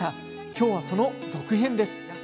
今日は、その続編です。